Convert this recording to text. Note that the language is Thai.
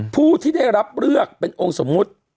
ผู้ที่ได้รับเลือกเป็นองค์สมมุติ